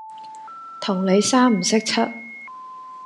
同你三唔識七